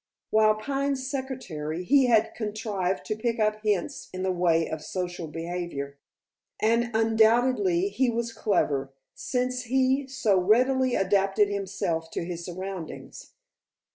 While Pine's secretary he had contrived to pick up hints in the way of social behavior, and undoubtedly he was clever, since he so readily adapted himself to his surroundings.